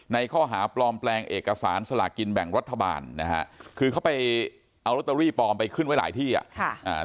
ในข้อหาปลอมแปลงเอกสารสลากินแบ่งรัฐบาลนะฮะคือเขาไปเอาลอตเตอรี่ปลอมไปขึ้นไว้หลายที่อ่ะค่ะอ่า